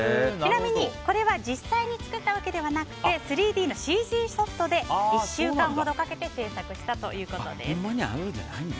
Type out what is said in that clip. ちなみに、これは実際に作ったわけではなく３ＤのＣＧソフトで１週間ほどかけて制作したということです。